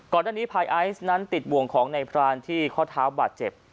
ด้านนี้ภายไอซ์นั้นติดบ่วงของในพรานที่ข้อเท้าบาดเจ็บ